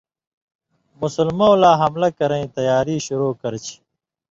مسلمؤں لا حملہ کَرئیں تیاری شُروع کرہ چھی۔